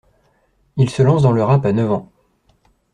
Il se lance dans le rap à neuf ans.